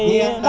tiễn ông bà